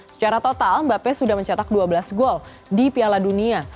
secara total mbappe sudah mencetak dua belas gol di piala dunia